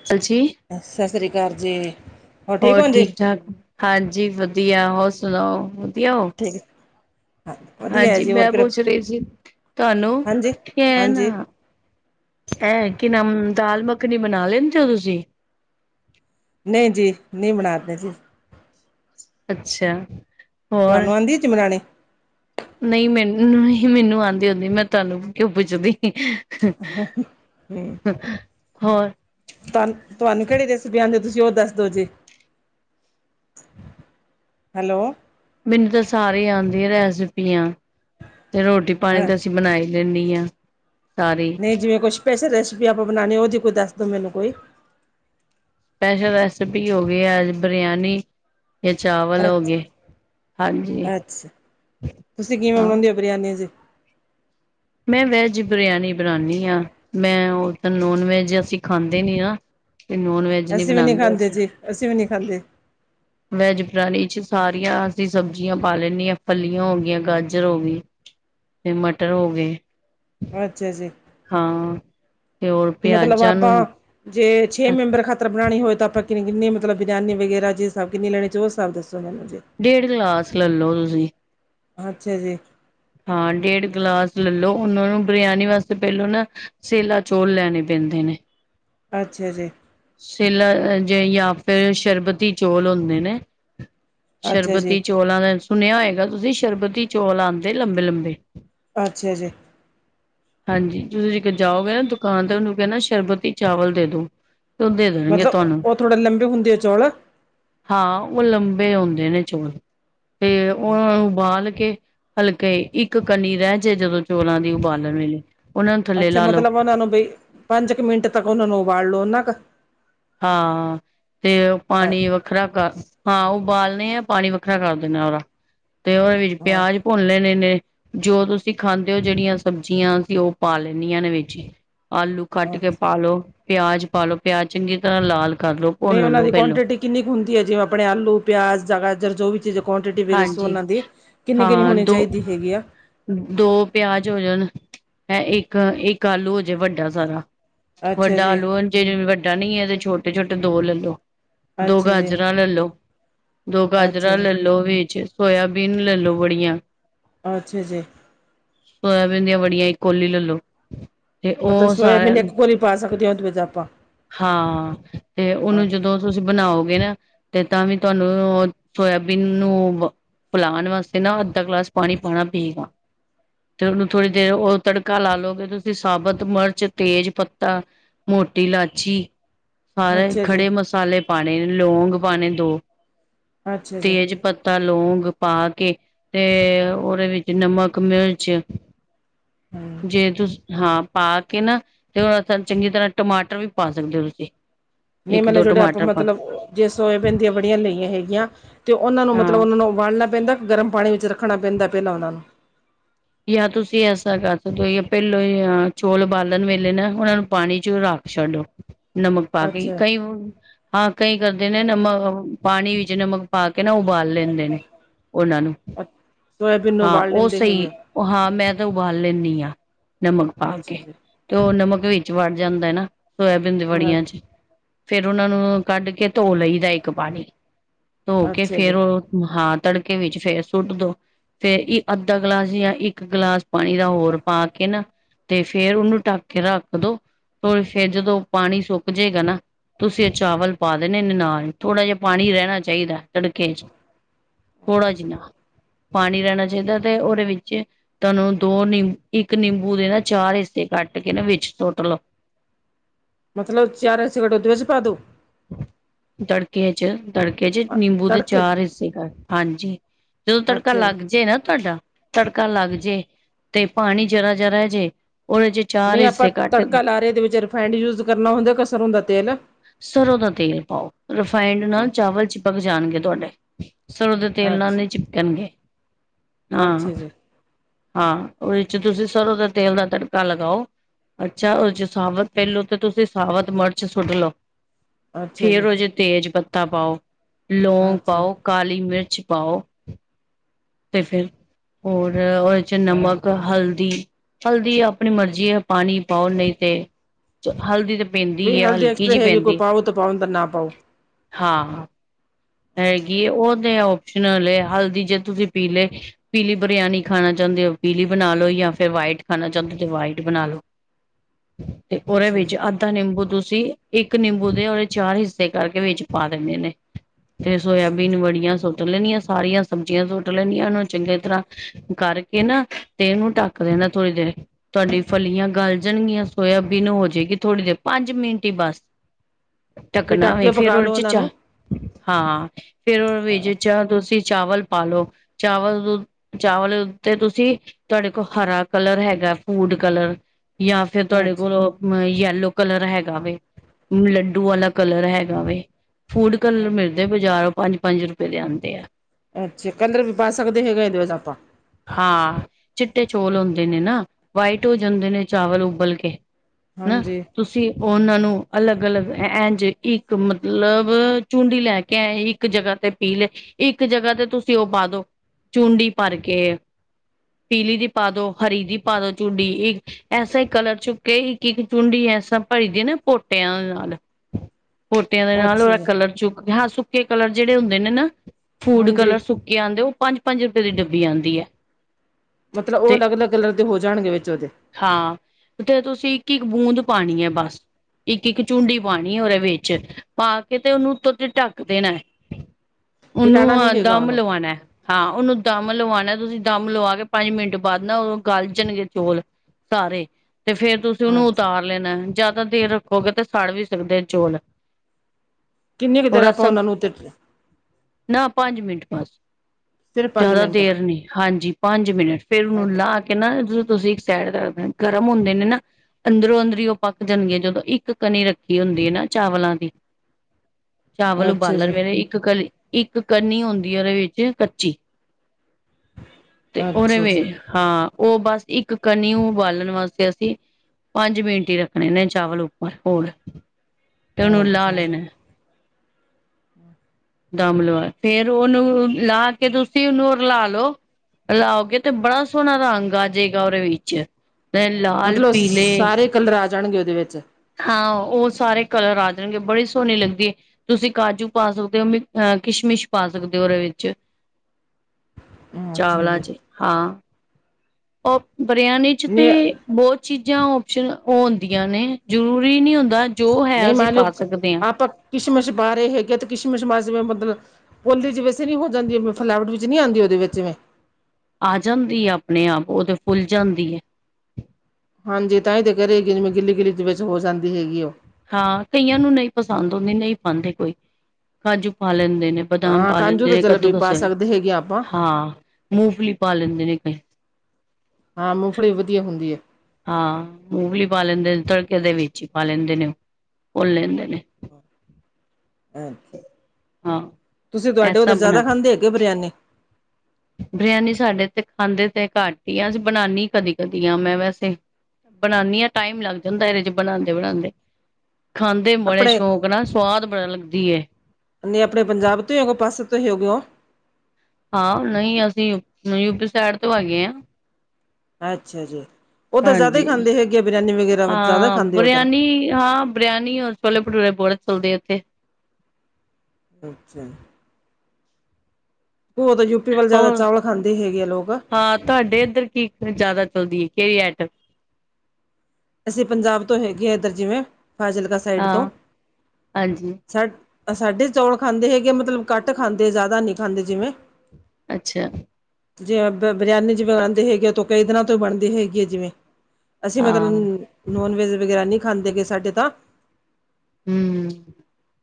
[unintelligible] ਸਸਰੀਕਾਲ ਜੀ। ਠੀਕ ਹੋਰ, ਹੋ ਜੀ ਠੀਕ-ਠਾਕ ਹਾਂਜੀ ਵਧੀਆ ਹੋਰ ਸੁਣਾਓ ਵਧੀਆ ਓ? [unintelligible] ਹਾਂ ਵਧੀਆ ਹੈ ਹਾਂਜੀ, ਜੀ ਹੋਰ ਮੈਂ ਫਿਰ ਪੁੱਛ ਰਹੀ ਸੀ ਤੁਆਨੂੰ ਹਾਂਜੀ ਕਹਿ ਹਾਂਜੀ ਨਾ ਹੈਂ ਕਿ ਨਾਮ ਦਾਲ-ਮੱਖਣੀ ਬਣਾ ਲੈਂਦੇ ਓ ਤੁਸੀਂ? ਨਹੀਂ ਜੀ ਨਹੀਂ ਬਣਾਦੇ ਜੀ। ਅੱਛਿਆ। ਤੁਹਾਨੂੰ ਆਂਦੀ ਜੀ ਬਨਾਣੀ? ਨਹੀਂ ਮੈਨੂੰ ਨੀ ਮੈਨੂੰ ਆਂਦੀ ਉਂਦੀ ਮੈਂ ਤੁਆਨੂੰ ਕਿਉਂ ਪੁੱਛਦੀ। ਹੋਰ। ਤੁ ਤੁਹਾਨੂੰ ਕਿਹੜੇ ਰੈਸਪੀ ਆਂਦੀ ਤੁਸੀਂ ਓ ਦੱਸ ਦੋ ਜੀ। ਹੈਲੋ ਮੈਨੂੰ ਤਾਂ ਸਾਰੇ ਆਉਂਦੀ ਆ ਰੈਸਪੀਆਂ ਤੇ ਰੋਟੀ ਪਾਣੀ ਹਾਂ ਦਾ ਬਣਾਈ ਲੈਂਦੀ ਹਾਂ ਸਾਰੀ ਨਹੀਂ ਜਿਵੇਂ ਕੋਈ ਸਪੈਸ਼ਲ ਰੈਸਪੀ ਆਪਾਂ ਬਣਾਉਣੀ ਉਹਜੀ ਕੋਈ ਦੱਸ ਦਿਉ ਮੈਨੂੰ ਕੋਈ ਸਪੈਸ਼ਲ ਰੈਸਪੀ ਹੋ ਗਈ ਆ ਅ ਬਰਿਆਨੀ ਜਾਂ ਚਾਵਲ ਹੋ ਗਏ ਅੱਛਾ ਹਾਂਜੀ। ਅੱਛਾ ਤੁਸੀਂ ਕਿਵੇਂ ਬਣਾਉਂਦੇ ਹੋ ਬਰਿਆਨੀ ਜੀ ਮੈਂ ਵੈਜ ਬਰਿਆਨੀ ਬਣਾਉਂਣੀ ਆ ਮੈਂ ਉਹ ਤਾਂ ਨੋਨ ਵੈਜ ਅਸੀਂ ਖਾਂਦੇ ਨੀ ਆ ਤੇ ਨੋਨ ਵੈ ਅਸੀਂ ਵੀ ਨੀ ਖਾਂਦੇ ਜੀ ਅਸੀਂ ਵੀ ਨੀ ਖਾਂਦੇ ਵੈਜ ਬਰਿਆਨੀ ਚ ਸਾਰੀਆਂ ਅਸੀਂ ਸਬਜ਼ੀਆਂ ਪਾ ਲੈਂਦੇ ਹਾਂ ਫਲੀਆਂ ਹੋ ਗਈਆਂ, ਗਾਜਰ ਹੋ ਗਈ ਤੇ ਮਟਰ ਹੋ ਗਏ ਅੱਛਾ ਜੀ ਹਾਂ ਤੇ ਹੋਰ ਮਤਲਬ ਪਿਆਜਾਂ ਆਪਾਂ ਨੂੰ ਜੇ ਛੇ ਮੈਂਬਰ ਖ ਤਰ ਬਣਾਉਣੀ ਹੋਏ ਤਾਂ ਆਪਾਂ ਕਿੰਨੀ-ਕਿੰਨੀ ਮਤਲਬ ਬਰਿਆਨੀ ਵੇਗੈਰਾ ਜੇ ਸਭ ਕਿੰਨੀ ਲੈਣੀ ਓਚ ਸਭ ਦੱਸੋ ਮੈਨੂੰ ਜੇ ਡੇਢ ਗਲਾਸ ਲੱਲੋ ਤੁਸੀਂ। ਅੱਛਾ ਜੀ। ਹਾਂ, ਡੇਢ ਗਲਾਸ ਲੱਲੋ ਓਨਾਂ ਨੂੰ ਬਰਿਆਨੀ ਵਾਸਤੇ ਪਹਿਲੋ ਨਾਂ ਸੇਲਾ ਚੋਲ ਲੈਣੇ ਪੈਂਦੇ ਨੇ। ਅੱਛਾ ਜੀ। ਸੇਲਾ ਜੇ ਜਾਂ ਫਿਰ ਸ਼ਰਬਤੀ ਚੌਲ ਹੁੰਦੇ ਨੇਂ। ਅੱਛਾ ਜੀ ਸ਼ਰਬਤੀ ਚੌਲਾਂ ਦਾ ਸੁਣਿਆ ਹੋਏਗਾ ਤੁਸੀਂ, ਸ਼ਰਬਤੀ ਚੌਲ ਆਂਦੇ ਲੰਬੇ-ਲੰਬੇ। ਅੱਛਾ ਜੀ। ਹਾਂਜੀ, ਤੁਸੀਂ ਜੇਕਰ ਜਾਓਗੇ ਨਾਂ ਦੁਕਾਨ ਤੇ ਓਨੂੰ ਕੈਣਾ ਸ਼ਰਬਤੀ ਚਾਵਲ ਦੇ ਦੋ। ਤੇ ਉਹ ਦੇ ਦੇਣਗੇ ਮਤਲਬ ਤੁਹਾਨੂੰ ਓ ਥੋੜੇ ਲੰਬੇ ਹੁੰਦੇ ਆ, ਚੌਲ। ਹਾਂ, ਓ ਲੰਬੇ ਔਂਦੇ ਨੇ ਚੌਲ ਤੇ ਓਨਾਂ ਨੂੰ ਉਬਾਲ ਕੇ ਹਲਕੇ ਇੱਕ ਕਨੀ ਰਹਿ ਜੇ ਜਦੋਂ ਚੋਲਾਂ ਦੀ ਉਬਾਲਣ ਲੀ ਅੱਛਾ, ਮਤਲਬ ਓਨਾਂ ਨੂੰ ਬਈ, ਪੰਜ ਕੁ ਮਿੰਟ ਤੱਕ ਓਨਾਂ ਨੂੰ ਉਬਾਲ ਲੋ ਓਨਾਂ ਕ ਹਾਂ, ਤੇ ਓ ਪਾਣੀ ਵ ਖਰਾ ਕਰ, ਹਾਂ ਉਬਾਲਣੇ ਆ ਪਾਣੀ ਵੱਖਰਾ ਕਰ ਦੇਣਾ ਓਦਾ ਤੇ ਓਦੇ ਵਿੱਚ ਪਿਆਜ ਭੁੰਨ ਲੈਣੇ ਨੇਂ ਜੋ ਤੁਸੀਂ ਖਾਂਦੇ ਹੋ ਜੇੜੀਆਂ ਸਬਜ਼ੀਆਂ ਓ ਪਾ ਲੈਂਨੀਆਂ ਨੇ ਵਿੱਚ ਈ। ਆਲੂ ਖੱਟ ਕੇ ਪਾਲੋ, ਪਿਆਜ ਪਾ ਲੋ। ਪਿਆਜ ਚੰਗੀ ਤਰ੍ਹਾਂ ਲਾਲ ਕਰਲੋ ਨਹੀਂ ਭੁੰਨ ਉਹਨਾਂ ਲੋ ਦੀ ਪੇਲੋਂ ਕੁਆਂਟਿਟੀ ਕਿੰਨੀ ਕੁ ਹੁੰਦੀ ਐ, ਜਿਵੇਂ ਆਪਣੇ ਆਲੂ, ਪਿਆਜ ਜਾਂ ਗਾਜਰ ਜੋ ਵੀ ਚੀਜ਼ ਕੁਆਂਟਿਟੀ ਵੀ ਦੱਸੋ ਹਾਂਜੀ ਓਨਾਂ ਦੀ ਕਿੰਨੀ-ਕਿੰਨੀ ਹਾਂ ਹੋਣੀ ਦੋ ਚਾਈਦੀ ਹੈਗੀ ਆ। ਦੋ ਪਿਆਜ ਹੋ ਜਾਣ, ਹੈਂ ਇੱਕ, ਇੱਕ ਆਲੂ ਹੋਜੇ ਵੱਡਾ ਸਾਰਾ। ਅੱਛਾ ਵੱਡਾ ਜੀ ਆਲੂ ਜੇ ਵੱਡਾ ਨੀਂ ਐ ਤੇ ਛੋਟੇ-ਛੋਟੇ ਦੋ ਲੱਲੋ। ਦੋ ਅੱਛਾ ਜੀ ਗਾਜਰਾਂ ਲੱਲੋ ਦੋ ਅੱਛਾ ਗਾਜਰਾਂ ਜੀ ਲੱਲੋ ਵਿੱਚ। ਸੋਇਆਬੀਨ ਲੱਲੋ, ਵੜੀਆਂ। ਅੱਛਾ ਜੀ। ਸੋਇਆਬੀਨ ਦੀਆਂ ਵੜੀਆ ਇੱਕ ਕੋਲੀ ਲੱਲੋ। ਮਤਲਬ ਸੋਇਆਬੀਨ ਇੱਕ ਕੋਲੀ ਪਾ ਸਕਦੇ ਔਂ [unintelligible] ਆਪਾਂ। ਹਾਂ ਤੇ ਓਨੂੰ ਜਦੋਂ ਤੁਸੀਂ ਬਣਾਓਗੇ ਨਾਂ ਤੇ ਤਾਂ ਵੀ ਤੁਆਨੂੰ ਅ ਸੋਆਬੀਨ ਨੂੰ ਓਬਾ ਫਲਾਣ ਵਾਸਤੇ ਨਾਂ ਅੱਧਾ ਗਲਾਸ ਪਾਣੀ ਪਾਣਾ ਪੇਗਾ। ਤੇ ਓਨੂੰ ਥੋੜ੍ਹੀ ਦੇਰ ਓ ਤੜਕਾ ਲਾ ਲੋਗੇ ਤੁਸੀਂ, ਸਾਬਤ ਮਿਰਚ, ਤੇਜ ਪੱਤਾ ਮੋਟੀ ਲਾ ਚੀ। ਸਾਰੇ ਅੱਛਾ ਜੀ ਖੜੇ ਮਸਾਲੇ ਪਾਣੇ, ਲੋਂਗ ਪਾਣੇ ਦੋ। ਅੱਛਾ ਜੀ ਤੇਜ ਪਤ ਪੱਤਾ, ਲੋਂਗ ਪਾ ਕੇ ਤੇ ਉਦੇ ਵਿੱਚ ਨਮਕ, ਮਿਰਚ ਹਂ। ਜੇ ਤੁਸ ਹਾਂ ਪਾ ਕੇ ਨਾਂ ਤੇ ਓਸਲ ਚੰਗੀ ਤਰ੍ਹਾਂ ਟਮਾਟਰ ਵੀ ਪਾ ਸਕਦੇ ਓ ਤੁਸੀਂ। ਨੇਅ ਇੱਕ ਮਲਬ ਦੋ ਜੇੜੇ ਆਪਾਂ ਟਮਾਟਰ ਪਾ ਮਤਲਬ ਜੇ ਸੋਏਬੀਨ ਦੀਆਂ ਵੜੀਆਂ ਲਈਆਂ ਹੈਗੀਆਂ ਤੇ ਓਨਾਂ ਨੂੰ ਹਾਂ ਮਤਲਬ ਓਨਾਂ ਨੂੰ ਉਬਾਲਣਾ ਪੈਂਦਾ ਕ ਗਰਮ ਪਾਣੀ ਵਿੱਚ ਰੱਖਣਾ ਪੈਂਦਾ, ਪੇਲਾਂ ਓਨਾਂ ਨੂੰ? ਜਾਂ ਤੁਸੀਂ ਐਸਰਾਂ ਕਰ ਸਾਦੇਓ ਜਾ ਪਹਿਲੋਂ ਜਾਂ ਚੋਲ ਉਬਾਲਣ ਵੇਲੇ ਨਾਂ ਓਨਾਂ ਨੂੰ ਪਾਣੀ ਚ ਰੱਖ ਛੱਡੋ ਨਮਕ ਪਾ ਕੇ ਅੱਛਾ ਕਈ ਵ ਹਾਂ ਕਈ ਕਰਦੇ ਨੇਂ ਨਮ ਅ ਪਾਣੀ ਵਿੱਚ ਨਮਕ ਪਾ ਕੇ ਨਾਂ ਉਬਾਲ ਲੈਂਦੇ ਨੇਂ ਉਨ੍ਹਾਂ ਨੂੰ, ਅ ਸੋਇਆਬੀਨ ਨੂੰ ਹਾਂ ਉਬਾਲ ਓ ਲੈਂਦੇ ਹੈਗੇ ਸਈ ਆ ਹਾਂ ਮੈਂ ਤਾਂ ਉਬਾਲ ਲੇਨੀਂ ਆ, ਨਮਕ ਪਾ ਅੱਛਾ ਕੇ। ਜੀ ਤੇ ਓ ਨਮਕ ਵਿੱਚ ਵੜ ਜਾਂਦਾ ਐ ਨਾ, ਸੋਇਆਬੀਨ ਦੀ ਅ ਵੜੀਆਂ 'ਚ ਫਿਰ ਉਨਾਂ ਨੂੰ ਕੱਢ ਕੇ ਧੋ ਲਈ ਦਾ ਇੱਕ ਪਾਣੀ, ਧੋ ਕੇ ਅੱਛਾ ਜੀ ਫੇਰ ਓ ਹਾਂ ਤੜਕੇ ਵਿੱਚ ਫੇਰ ਸੁੱਟ ਦੋ, ਫੇਰ ਈ ਅੱਧਾ ਗਲਾਸ ਜਾਅ ਇੱਕ ਗਲਾਸ ਪਾਣੀ ਦਾ ਹੋਰ ਪਾ ਕੇ ਨਾ, ਤੇ ਫੇਰ ਓਨੂੰ ਢੱਕ ਕੇ ਰੱਖ ਦੋ ਤੋਂ ਫਿਰ ਜਦੋਂ ਪਾਣੀ ਸੁੱਕ ਜੇਗਾ ਨਾ ਤੁਸੀ ਇ ਚਾਵਲ ਪਾ ਦੇਣੇ ਨੇ ਨਾਲ ਈ, ਥੋੜਾ ਜਾ ਪਾਣੀ ਰਹਿਣਾ ਚਾਹੀਦਾ ਤੜਕੇ 'ਚ ਥੋੜਾਂ ਅੱਛਾ ਜਿਨਾ ਜੀ ਪਾਣੀ ਰਹਿਣਾ ਚਾਈਂਦਾ, ਤੇ ਉਦੇ ਵਿੱਚ ਚ ਤਾਨੂੰ ਦੋ ਨਿੰ ਇੱਕ ਨਿੰਬੂ ਦੇ ਨਾ ਚਾਰ ਹਿਸੇ ਕੱਟ ਕੇ ਨਾ ਵਿੱਚ ਸੁੱਟ ਲੋ। ਮਤਲਬ ਚਾਰਸ [unintelligible] ਓਦੇ ਵਿਚ ਪਾ ਦੋ? ਤੜਕੇ 'ਚ- ਤੜਕੇ 'ਚ ਨਿੰਬੂ ਦੇ ਤੜਕੇ 'ਚ? ਚਾਰ ਹਿੱਸੇ ਕਰ, ਹਾਂਜੀ। ਜਦੋਂ ਤੜਕਾ ਅੱਛਾ ਜੀ ਲੱਗਜੇ ਨਾ ਤੁਆਡਾ ਤੜਕਾ ਲੱਗਜੇ ਤੇ ਪਾਣੀ ਜਰਾ- ਜਰਾ ਜੇ ਉਦੇ 'ਚ ਚਾਰ ਨਈ ਆਪਾ ਹਿੱਸੇ ਕੱਟ ਕੇ ਤੜਕਾ ਲਾ ਰੇ ਇਹਦੇ ਵਿੱਚ ਰਫ਼ੈਂਡ ਯੂਜ ਕਰਨਾ ਹੁੰਦਾ ਕ ਸਰੋਂ ਦਾ ਤੇਲ? ਸਰੋਂ ਦਾ ਤੇਲ ਪਾਓ, ਰਫਾਇੰਡ ਨਾਲ ਚਾਵਲ ਚਿਪਕ ਜਾਣਗੇ ਤੁਆਡੇ। ਸਰੋਂ ਦੇ ਤੇਲ ਨਾਲ ਅੱਛਾ ਨਈਂ ਚਿਪਕਣਗੇ, ਹਾਂ। ਅੱਛਾ ਜੀ ਹਾਂ ਉਹਦੇ 'ਚ ਤੁਸੀਂ ਸਰ੍ਹੋਂ ਦੇ ਤੇਲ ਦਾ ਤੜਕਾ ਲਗਾਓ। ਅੱਛਾ ਓਦੇ ਚ ਤੁਸੀ ਸਾਵਤ ਪੇਲੋ ਤੇ, ਤੁਸੀ ਸਾਵਤ ਮਰਚ ਸੁੱਟ ਲਓ। ਅੱਛਾ ਜੀ ਫੇਰ ਉਦੇ ਚ ਤੇਜ਼- ਪੱਤਾ ਪਾਓ, ਲੋਂਗ ਅੱਛਾ ਪਾਓ, ਕਾਲੀ-ਮਿਰਚ ਪਾਓ। ਤੇ ਫਿਰ ਹੋਰ ਉਦੇ 'ਚ ਨਮਕ, ਹਲਦੀ ਹਲਦੀ ਆਪਣੀ ਮਰਜ਼ੀ ਐ, ਪਾਣੀ ਪਾਓ ਨਈਂ ਤੇ ਚ ਹਲਦੀ ਤੇ ਪੇਂਦੀ ਆ ਹਲਕੀ ਜੀ ਪੈਂਦੀ‌ ਓ ਤੇ ਪਾਓ ਨ ਤਾ ਨਾ ਪਾਓ। ਹਾਂ। ਹੈਗੀ ਏ ਓ ਤੇ ਓਪਸ਼ਨਲ ਏ ਹਲਦੀ ਜੇ ਤੁਸੀਂ ਪੀਲੇ ਪੀਲੀ ਬਰਿਆਨੀ ਖਾਣਾ ਚਾਂਦੇ ਓ, ਪੀਲੀ ਬਣਾ ਲੋ ਜਾ ਫੇਅ ਵਾਈਟ ਖਾਣਾ ਚਾਂਦੇ ਓ ਤੇ ਵਾਈਟ ਬਣਾਲੋ [inaudible] ਤੇ ਉਰੇ ਅੱਛਾ ਜੀ ਵਿੱਚ ਅੱਧਾ ਨਿੰਬੂ ਤੁਸੀਂ, ਇੱਕ ਨਿੰਬੂ ਦੇ ਉਹਦੇ ਚਾਰ ਹਿੱਸੇ ਕਰਕੇ ਵਿੱਚ ਪਾ ਦੇਨੇ ਨੇ। ਤੇ ਅੱਛਾ ਜੀ ਸੋਇਆਬੀਨ ਵੜੀਆਂ ਸੁੱਟ ਲੈਣੀਆਂ, ਸਾਰੀਆਂ ਸਬਜ਼ੀਆਂ ਸੁੱਟ ਲੈਣੀਆਂ ਉਹਨਾ ਨੂੰ ਚੰਗੀ ਤਰ੍ਹਾਂ ਕਰਕੇ ਨਾ, ਤੇ ਏਨੂੰ ਢੱਕ ਦੇਣਾ ਥੋੜੀ ਦੇਰ ਤੁਆਡੀ ਫਲੀਆਂ ਗਲ ਜਾਣਗੀਆਂ, ਸੋਇਆਬੀਨ ਓ ਹੋਜੇਗੀ ਥੋੜ੍ਹੀ ਦੇਰ ਪੰਜ ਮਿੰਟ ਈ ਬਸ ਫੇ ਢੱਕਣਾ ਢੱਕੇ ਹੋਵੇ ਕੇ ਫੇਰ ਪਕਾ ਉਹਦੇ ਲੋ ਚ ਉਨਾਂ ਚਾ ਨੂੰ? ਹਾਂ ਫੇਰ ਉਰੇ ਵਿੱਚ ਚ ਤੁਸੀ ਚਾਵਲ ਪਾਲੋ। ਚਾਵਲ ਦ ਚਾਵਲ ਦੇ ਉੱਤੇ ਤੁਸੀ ਤੁਆਡੇ ਕੋ ਹਰਾ ਕਲਰ ਹੈਗਾ, ਫੂਡ ਕਲਰ ਜਾਂ ਫਿਰ ਤੁਆਡੇ ਅੱਛਾ ਕੋਲ ਓ ਮ ਯੈਲੋ ਕਲਰ ਹੈਗਾ ਵੇ, ਲੱਡੂ ਆਲਾ ਕਲਰ ਹੈਗਾ ਵੇ ਫੂਡ ਕਲਰ ਮਿਲਦੇ ਬਾਜ਼ਾਰੋ ਪੰਜ- ਪੰਜ ਰੁਪਏ ਦੇ ਆਂਦੇ ਆ। ਅੱਛਾ ਕਲਰ ਵੀ ਪਾ ਸਕਦੇ ਹੈਗਾ ਇਹਦੇ ਵਿੱਚ ਆਪਾਂ। ਹਾਂ। ਚਿੱਟੇ ਚੋਲ ਹੁੰਦੇ ਨੇ ਨਾ ਵਾਈਟ ਹੋ ਜਾਂਦੇ ਨੇ, ਚਾਵਲ ਉਬਲ ਕੇ ਹਨਾ ਹਾਂਜੀ ਤੁ -ਸੀ ਉਹਨਾਂ ਨੂੰ ਅਲੱਗ-ਅਲੱਗ ਐਝ ਇੱਕ ਮਤਲਬ ਚੁੰਡੀ ਲੈ ਕ ਇੱਕ ਜਗਾ ਤੇ ਪੀਲੇ ਇੱਕ ਜਗਾ ਤੇ ਤੁਸੀਂ ਉਹ ਪਾ ਦੋ। ਚੁੰਡੀ ਭਰ ਕੇ, ਪੀਲੀ ਦੀ ਪਾ ਦੋ, ਹਰੀ ਦੀ ਪਾ ਦੋ ਚੁੰਡੀ ਇ ਐਸਾ ਈ ਕਲਰ ਚੁੱਕ ਇੱਕ -ਇੱਕ ਚੁੰਡੀ ਐਸਾ ਭਰੀ ਦੀ ਨਾ ਪੋਟਿਆਂ ਦੇ ਨਾਲ। [inaudible] ਪੋਟਿਆਂ ਦੇ ਨਾਲ ਅੱਛਾ ਉਹਦਾ ਜੀ ਕਲਰ ਚੁੱਕ ਹਾਂ ਸੁੱਕੇ ਕਲਰ ਜਿਹੜੇ ਹੁੰਦੇ ਨੇ ਨਾ, ਫੂਡ ਹਾਂਜੀ ਕਲਰ ਸੁ- ਕੇ ਆਂਦੇ ਉਹ ਪੰਜ-ਪੰਜ ਰੁਪਏ ਦੀ ਡੱਬੀ ਆਂਦੀ ਹੈ। ਮਤਲਬ ਉਹ ਅਲੱਗ-ਅਲੱਗ ਕਲਰ ਦੇ ਹੋ ਜਾਣਗੇ ਵਿੱਚ, ਹਾਂ, ਤੇ ਤੁਸੀਂ ਇੱਕ-ਇੱਕ ਬੂੰਦ ਪਾਣੀ ਹੈ ਬਸ। ਇੱਕ-ਇੱਕ ਚੁੰਡੀ ਪਾਉਣੀ ਉਹਦੇ ਵਿੱਚ ਪਾ ਕੇ ਤੇ ਉਹਨੂੰ ਦੀ ਢੱਕ, ਦੇਣਾ, ਉਹਨੂੰ ਹਿਲਾਣਾ ਅ ਨੀ ਹੈਗਾ ਦਮ ਉਹਨੂੰ ਲਵਾਣਾ। ਹਾਂ ਉਹਨੂੰ ਦਮ ਲਵਾਉਣਾ ਤੁਸੀਂ ਦਮ ਲਵਾ ਕੇ ਪੰਜ ਮਿੰਟ ਬਾਅਦ ਨਾ ਉਹ ਗਲ ਜਣਗੇ ਚੌਲ, ਸਾਰੇ ਤੇ ਫਿਰ ਤੁਸੀਂ ਉਹਨੂੰ ਅੱਛਾ ਉਤਾਰ ਲੈਣਾ ਜ਼ਿਆਦਾ ਦੇਰ ਰੱਖੋਗੇ ਤੇ ਸੜ ਵੀ ਸਕਦੇ ਚੌਲ। ਕਿੰਨੀ ਕੁ ਦੇਰ ਆਪਾਂ ਉਹਨਾਂ ਨੂੰ ਤੇ, ਨਾ ਪੰਜ ਮਿੰਟ ਬਸ, ਸਿਰਫ ਪੰਜ ਜ਼ਿਆਦਾ ਮਿੰਟ ਦੇਰ ਨੀ ਹਾਂਜੀ ਪੰਜ ਮਿੰਟ ਫਿਰ ਉਹਨੂੰ ਲਾ ਕੇ ਨਾ ਜਦੋ ਤੁਸੀਂ, [unintelligible] ਗਰਮ ਹੁੰਦੇ ਨੇ ਨਾ, ਅੰਦਰੋਂ ਅੰਦਰੀ ਉਹ ਪੱਕ ਜਾਣਗੇ ਜਦੋਂ ਇੱਕ ਕਣੀ ਰੱਖੀ ਹੁੰਦੀ ਹੈ ਨਾ ਚਾਵਲਾਂ ਦੀ। ਚਾਵਲ ਅੱਛਾ ਉਬਾਲਣ ਜੀ ਵੇਲੇ ਇੱਕ ਕਨੀ ਇੱਕ ਕਨੀ ਹੁੰਦੀ ਹੈ ਉਹਦੇ ਵਿੱਚ ਕੱਚੀ, ਤੇ ਉਹਨੇ ਅੱਛਾ ਵੇ ਜੀ ਹਾਂ ਉਹ ਬਸ ਇੱਕ ਕਨੀ ਉਬਾਲਣ ਵਾਸਤੇ ਅਸੀਂ, ਪੰਜ ਮਿੰਟ ਹੀ ਰੱਖਣੇ ਨੇ ਚਾਵਲ ਉੱਪਰ ਹੋਰ, ਤੇ ਉਹਨੂੰ ਲਾ ਅੱਛਾ ਜੀ ਲੈਣਾ। ਦਮ ਲਵਾ ਫਿਰ ਉਹਨੂੰ ਲਾ ਕੇ ਤੁਸੀਂ ਉਹਨੂੰ ਰਲਾ ਲਓ। ਰਲਾਓਗੇ ਤੇ ਬੜਾ ਸੋਹਣਾ ਰੰਗ ਆ ਜਾਏਗਾ ਉਹਦੇ ਵਿੱਚ। ਲਾਲ, ਮਤਲਬ ਪੀਲੇ ਸਾਰੇ ਕਲਰ ਆ ਜਾਣਗੇ ਉਹਦੇ ਵਿੱਚ। ਹਾਂ ਉਹ ਸਾਰੇ ਕਲਰ ਆ ਜਾਣਗੇ ਬੜੀ ਸੋਹਣੀ ਲੱਗਦੀ। ਤੁਸੀਂ ਕਾਜੂ ਪਾ ਸਕਦੇ ਹੋ ਅਹ ਮਿਠਾ ਕਿਸ਼ਮਿਸ਼ ਪਾ ਸਕਦੇ ਹੋ ਉਹਦੇ ਵਿੱਚ, ਅੱਛਾ ਚਾਵਲਾਂ ਜੀ ਚ ਹਾਂ, ਉਹ ਬਰਿਆਨੀ ਚ ਨੀ ਤੇ, ਬਹੁਤ ਚੀਜ਼ਾਂ ਓਪਸ਼ਨ ਉਹ ਹੁੰਦੀਆ ਨੇ ਜ਼ਰੂਰੀ ਨੀ ਹੁੰਦਾ। ਜੋ ਹੈ ਨਹੀਂ ਅਸੀਂ ਮੰਨ ਲਓ ਪਾ ਸਕਦੇ ਆ। ਆਪਾਂ ਕਿਸ਼ਮਿਸ਼ ਬਾਰੇ ਹੈਗੇ ਆ ਤੇ ਕਿ ਕਿਸਸ਼ਮਿਸ਼ ਮਾਜ਼ ਮਤਲਬ, ਪੋਲੀ ਚ ਵੈਸੇ ਨੀ ਹੋ ਜਾਂਦੀ ਫਲੈਵਟ ਵਿੱਚ ਨਹੀਂ ਆਂਦੀ ਉਹਦੇ ਵਿੱਚ ਜਿਵੇਂ, ਆ ਜਾਂਦੀ ਹੈ ਆਪਣੇ ਆਪ ਉਹ ਤੇ ਫੁੱਲ ਜਾਂਦੀ ਹੈ। ਹਾਂਜੀ ਤਾਂ ਹੀ ਤੇ ਕਹਿ ਰਹੀ ਹੈਗੀ ਜਿਵੇਂ ਗਿੱਲੀ-ਗਿੱਲੀ ਦੇ ਵਿੱਚ ਹੋ ਜਾਂਦੀ ਹੈਗੀ ਉਹ, ਹਾਂ ਕਈਆ ਨੂੰ ਨਹੀਂ ਪਸੰਦ ਹੁੰਦੀ ਨਹੀ ਪਾਂਦੇ ਕੋਈ, ਕਾਜੂ ਪਾ ਲੈਂਦੇ ਨੇ। ਬਦਾਮ ਹਾਂ ਪਾ ਕਾਂਜੂ ਲੈਂਦੇ ਤਾਂ ਨੇ ਚਲੋ ਵੀ ਕੱਦੂਕਸ ਪਾ ਵਾਲੀ, ਸਕਦੇ ਹੈਗੇ ਆਪਾਂ ਹਾਂ ਮੂੰਗਫਲੀ ਪਾ ਲੈਂਦੇ ਨੇ ਕਈ, ਹਾਂ ਮੂੰਗਫਲੀ ਵੀ ਵਧੀਆ ਹੁੰਦੀ ਹੈ। ਹਾਂ ਮੂੰਗਲੀ ਪਾ ਲੈਂਦੇ ਨੇ ਤੜਕੇ ਦੇ ਵਿੱਚ ਹੀ ਪਾ ਲੈਂਦੇ ਨੇ, ਭੁਨ ਲੈਂਦੇ ਨੇ, ਹਾਂ ਤੁਸੀਂ ਤੁਹਾਡੇ ਉੱਧਰ ਐਸਾ ਬਣਾ ਜ਼ਿਆਦਾ ਖਾਂਦੇ ਆ ਹੈਗੇ ਬਰਿਆਨੀ, ਬਰਿਆਨੀ ਸਾਡੇ ਤੇ ਖਾਂਦੇ ਤੇ ਘੱਟ ਹੀ ਆ ਅਸੀਂ ਬਣਾਉਣੀ ਕਦੀ-ਕਦੀ ਆ ਮੈਂ ਵੈਸੇ, ਬਣਾਉਣੀ ਆ ਟਾਈਮ ਲੱਗ ਜਾਂਦਾ ਇਹਦੇ ਚ ਬਣਾਦੇ ਬਣਾਦੇ। ਖਾਂਦੇ ਬੜੇ ਆਪਣੇ ਸ਼ੌਕ ਨਾ ਸਵਾਦ ਬੜਾ ਲੱਗਦੀ ਐ। ਨਹੀਂ ਆਪਣੇ ਪੰਜਾਬ ਤੋਂ ਹੀ ਹੋਗੋ ਪਾਸੇ ਤੋਂ ਹੀ ਹੈਗੇ ਓ। ਹਾਂ ਨਹੀਂ ਅਸੀ ਯੂਪ ਯੂਪੀ ਸਾਈਡ ਤੋਂ ਹੈਗੇ ਆ। ਅੱਛਾ ਜੀ, ਉੱਧਰ ਜ਼ਿਆਦਾ ਹੀ ਹਾਂਜੀ ਖਾਂਦੇ ਹੈਗੇ ਆ ਬਰਿਆਨੀ ਵਗੈਰਾ ਜ਼ਿਆਦਾ ਖਾਂਦੇ ਉੱਧਰ। ਕੀ ਹਾਂ। ਬਰਿਆਨੀ ਔਰ ਛੋਲੇ ਭਟੂਰੇ ਬੜੇ ਚੱਲਦੇ ਆ ਇੱਥੇ। ਅੱਛਾ। ਓ ਤਾਂ ਯੂਪੀ ਵਾਲੇ ਜ਼ਿਆਦਾ ਹੋਰ ਚਾਵਲ ਖਾਂਦੇ ਈ ਹੈਗੇ ਆ ਲੋਕ। ਹਾਂ ਤੁਹਾਡੇ ਇੱਧਰ ਕੀ ਜ਼ਿਆਦਾ ਚਲਦੀ ਏ ਕਿਹੜੀ ਐਟਮ ਅਸੀਂ ਪੰਜਾਬ ਤੋਂ ਹੈਗੇ ਇੱਧਰ ਜਿਵੇਂ ਫ਼ਾਜ਼ਿਲਕਾ ਸਾਈਡ ਤੋਂ, ਹਾਂ ਹਾਂਜੀ ਸਾ ਤਾਂ ਸਾਡੇ ਚੌਲ ਖਾਂਦੇ ਹੈਗੇ, ਮਤਲਬ ਘੱਟ ਖਾਂਦੇ ਜ਼ਿਆਦਾ ਨੀ ਖਾਂਦੇ ਜਿਵੇਂ‌। ਅੱਛਾ। ਜੇ ਉਹਦਾ ਬਰਿਆਨੀ 'ਚ ਬਣਾਂਦੇ ਹੈਗੇ ਆ, ਉਹ ਕਈ ਤਰਾਂ ਤੋਂ ਬਣਦੀ ਹੈਗੀ ਏ ਜਿਵੇਂ। ਅਸੀਂ ਮਤਲ, ਹਾਂ ਨੋਨ ਵੈਜ਼ ਵਗੈਰਾ ਨੀ ਖਾਂਦੇ ਹੇਗੇ ਸਾਡੇ ਤਾਂ। ਹੂੰ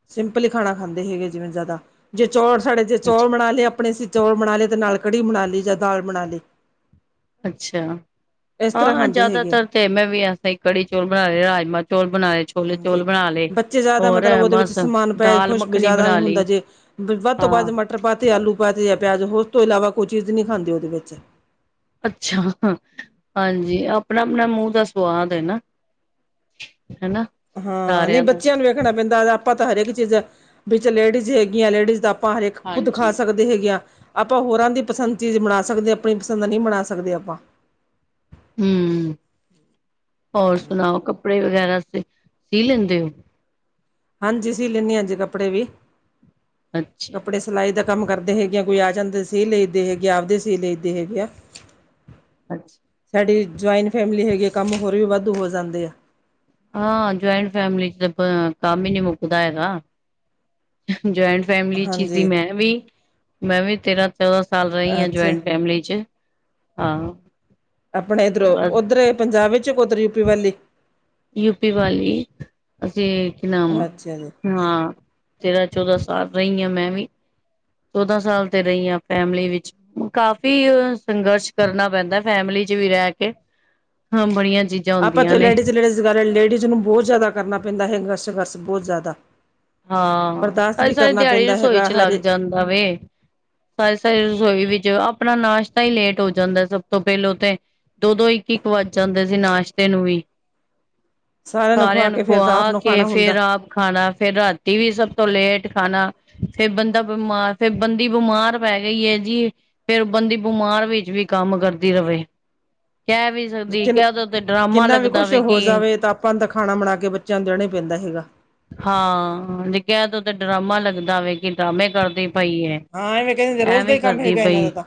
ਸਿੰਪਲ ਈ ਖਾਣਾ ਖਾਂਦੇ ਹੈਗੇ ਜਿਵੇਂ ਜ਼ਿਆਦਾ, ਜੇ ਚੋਲ਼ ਸਾਡੇ ਜੇ ਅੱਛਾ ਚੋਲ਼ ਬਣਾ ਲਏ ਆਪਣੇ ਚੌਲ ਬਣਾਲੇ, ਤੇ ਨਾਲ਼ ਕੜੀ ਬਣਾਲੀ ਜਾ ਦਾਲ ਬਣਾਲੀ। ਅੱਛਾ, ਇਸ ਤਰ੍ਹਾਂ ਹਾਂ, ਖਾਂਦੇ ਹੈਗੇ ਆ ਜ਼ਿਆਦਾਤਰ ਤੇ ਮੈਂ ਵੀ ਏਸ ਤਰ੍ਹਾਂ ਈ ਕੜੀ-ਚੌਲ ਬਣਾਏ, ਰਾਜਮਾਂ-ਚੌਲ ਬਣਾਏ। ਹਾਂਜੀ, ਬੱਚੇ ਜ਼ਿਆਦਾ ਮਤਲਬ ਉਹਦੇ ਵਿੱਚ ਬਸ ਸਮਾਨ ਪੈ ਦਾਲ ਖੁਸ਼ ਮੱਖਣੀ ਜ਼ਿਆਦਾ ਨੀ ਬਣਾ ਹੁੰਦਾ ਲਈ ਜੇ, ਤੋਂ ਵੱਧ ਹਾਂ ਮ ਟਰ ਪਾਤੇ, ਆਲੂ ਪਾਤੇ ਯਾ ਪਿਆਜ਼, ਉਸ ਤੋਂ ਇਲਾਵਾ ਕੋਈ ਚੀਜ਼ ਨਹੀਂ ਖਾਂਦੇ ਉਹਦੇ ਵਿੱਚ। ਅੱਛਾ, ਹਾਂਜੀ ਆਪਣਾ-ਆਪਣਾ ਮੂੰਹ ਦਾ ਸਵਾਦ ਐ ਨਾ। ਹੈਨਾ। ਹਾਂ, ਨਹੀਂ, ਬੱਚਿਆਂ ਨੂੰ ਵੇਖਣਾ ਪੈਂਦਾ ਆਪਾਂ ਤਾਂ ਹਰੇਕ ਚੀਜ਼, ਬੀਚ ਲੇਡੀਜ਼ ਹੈਗੀਆਂ ਲੇਡੀਜ਼ ਦਾ ਪਾਂ ਹਰੇਕ, ਖੁਦ ਖਾ ਹਾਂਜੀ ਸਕਦੇ ਹੇਗੀਆਂ, ਆਪਾਂ ਹੋਰਾਂ ਦੀ ਪਸੰਦ ਚੀਜ਼ ਬਣਾ ਸਕਦੇ, ਆਪਣੀ ਪਸੰਦ ਨ੍ਹੀਂ ਬਣਾ ਸਕਦੇ ਆਪਾਂ। ਹੂੰ, ਹੋਰ ਸੁਣਾਓ, ਕੱਪੜੇ ਵਗੈਰਾ ਸੀ, ਸੀ ਲੈਂਦੇ ਓ? ਹਾਂਜੀ, ਸੀ ਲੈਂਨੀ ਆ ਜੀ ਕੱਪੜੇ ਵੀ। ਅੱਛਾ। ਕੱਪੜੇ ਸਿਲਾਈ ਦਾ ਕੰਮ ਕਰਦੇ ਹੈਗੇ ਆ ਕੋਈ ਆ ਜਾਂਦੇ ਸੀ, ਸੀ ਲਈ ਦੇ ਹੈਗੇ ਆ, ਆਪਦੇ ਸੀ ਲਈਦੇ ਹੇਗੇ ਆ। ਅੱਛਾ। ਸਾਡੀ ਜੁਆਇੰਟ ਫੈਮਿਲੀ ਹੈਗੀ ਆ ਕੰਮ ਹੋਰ ਵੀ ਵਾਧੂ ਹੋ ਜਾਂਦੇ ਆ। ਹਾਂ, ਜੁਆਇੰਟ ਫੈਮਲੀ'ਚ ਤਾਂ ਕੰਮ ਈ ਨੀ ਮੁੱਕਦਾ ਹੈਗਾ। ਜੁਆਇੰਟ ਫੈਮਿਲੀ 'ਚ ਈ ਸੀ, ਹਾਂਜੀ ਮੈਂ ਵੀ। ਮੈਂ ਵੀ ਤੇਰਾਂ-ਤੇਰਾਂ ਸਾਲ ਰਹੀ ਆ ਅੱਛਾ ਜੁਆਇੰਟ ਫੈਮਿਲੀ'ਚ, ਆਹੋ। ਆਪਣੇ ਇੱਧਰੋ, ਉੱਧਰ ਪੰਜਾਬ ਵਿੱਚ ਕਿ ਉੱਧਰ ਯੂਪੀ ਵੱਲੀ ਈ? ਯੂਪੀ ਵੱਲ ਈ, ਅਸੀਂ ਕੀ ਨਾਮ ਆ ਅੱਛਾ ਜੀ ਹਾਂ, ਤੇਰਾ-ਚੌਦਾ ਸਾਲ ਰਹੀ ਆਂ ਮੈਂ ਵੀ‌। ਚੌਦਾਂ ਸਾਲ ਤੇ ਰਹੀ ਆਂ, ਫੈਮਿਲੀ ਵਿੱਚ। ਕਾਫ਼ੀ ਓ ਸੰਘਰਸ਼ ਕਰਨਾ ਪੈਂਦਾ, ਫੈਮਿਲੀ'ਚ ਵੀ ਰਹਿਕੇ। ਹਾਂ, ਬੜੀਆਂ ਚੀ ਆਪਾਂ ਤੇ ਲੇਡੀਜ਼-ਲੇਡੀਜ਼ ਕਰ, ਲੇਡੀਜ਼ ਨੂੰ ਬਹੁਤ ਜ਼ਿਆਦਾ ਕਰਨਾ ਪੈਂਦਾ ਹੈਗਾ ਸੰਘਰਸ਼ ਬਹੁਤ ਜ਼ਿਆਦਾ। ਹਾਂ, ਬਰਦਾਸ਼ਤ ਵੀ ਸਾਰੀ-ਸਾਰੀ ਕਰਨਾ ਦਿਹਾੜੀ ਪੈਂਦਾ ਹੈਗਾ ਰਸੋਈ'ਚ ਲੱਗ ਹਰੇ ਜਾਂਦਾ ਵੇ। ਸਾਰੀ-ਸਾਰੀ ਰਸੋਈ ਵਿੱਚ ਅਪਣਾ ਨਾਸ਼ਤਾ ਈ ਲੇਟ ਹੋ ਜਾਂਦਾ ਏ, ਸਭ ਤੋਂ ਪਹਿਲੋਂ ਤੇ। ਦੋ-ਦੋ, ਇੱਕ-ਇੱਕ ਵੱਜ ਜਾਂਦੇ ਸੀ ਨਾਸ਼ਤੇ ਨੂੰ ਵੀ। ਖਵਾ ਸਾਰਿਆਂ ਨੂੰ ਕੇ ਫੇਰ ਤਾਂ ਆਪ ਨੂੰ ਖੁਆਕੇ ਖਾਣਾ ਫੇ਼ਰ ਹੁੰਦਾ ਆਪ ਖਾਣਾ, ਫੇ਼ਰ ਰ੍ਹਾਤੀਂ ਵੀ ਸਭ ਤੋਂ ਲੇਟ ਖਾਨਾ। ਫੇ਼ਰ ਬੰਦਾ ਬਿਮਾਰ, ਫੇ਼ਰ ਬੰਦੀ ਬਿਮਾਰ ਪੈ ਗਈ ਏ ਜੀ। ਫ਼ੇਰ ਬੰਦੀ ਬਿਮਾਰ ਵਿੱਚ ਵੀ ਕੰਮ ਕਰਦੀ ਰਵੇ, ਕਹਿ ਵੀ ਸਕਦੀ, ਲੇਕਿਨ ਕਹਿਦੋ ਤੇ ਡਰਾਮਾਂ ਲੱਗਦਾ ਵੇ ਕਿ ਆਪਾ ਨ ਤਾ ਖਾਣਾ ਬਣਾਕੇ, ਬੱਚਿਆਂ ਨੂੰ ਦੇਣਾ ਈ ਪੈਂਦਾ ਹੇਗਾ। ਹਾਂ, ਜੇ ਕਹਿਤਾ ਤਾਂ ਡਰਾਮਾ ਲੱਗਦਾ ਵੇ। ਡ੍ਰਾਮੇ ਕਰਦੀ ਪਈ ਏ, ਹਾਂ ਐਵੇਂ ਕਹਿੰਦੇ ਰੋਜ਼ ਦਾ ਐਵੇਂ ਹੀ ਕੰਮ ਕਰਦੀ ਹੈਗਾ ਇਹਨਾਂ ਪਈ। ਦਾ ਤਾਂ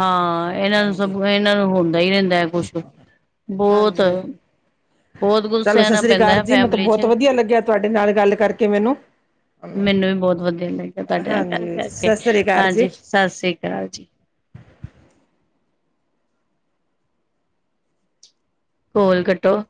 ਹਾਂ, ਇਹਨਾਂ ਨੂੰ ਹਾਂਜੀ ਸਭ ਇਹਨਾਂ ਨੂੰ ਹੁੰਦਾ ਹੀ ਰਹਿੰਦਾ ਏ ਕੁਛ, ਬਹੁਤ। ਹਾਂਜੀ ਬਹੁਤ ਕੁਝ ਚਲੋ ਸਹਿਣਾ ਸਸਰੀ ਪੈਂਦਾ ਕਾਰ ਹੈ ਜੀ, ਮੀ ਤ ਫੈਮਿਲੀ ਚ ਬਹੁਤ ਵਧੀਆ ਲੱਗਿਆ ਤੁਹਾਡੇ ਨਾਲ ਗੱਲ ਕਰਕੇ ਮੈਨੂੰ। ਮੈਨੂੰ ਵੀ ਬੋਤ ਵਧੀਆ ਲੱਗੇਆ ਤੁਆਡੇ ਨਾਲ ਗੱਲ ਹਾਂਜੀ ਕਰਕੇ, ਸਤਿ ਸ੍ਰੀ ਅਕਾਲ ਹਾਂਜੀ ਜੀ ਸਾਸਰੀ ਕਾਲ ਜੀ। ਕੋਲ ਕੱਟੋ।